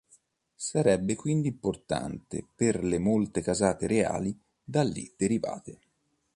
Sarebbe quindi importante per le molte casate reali da li derivate.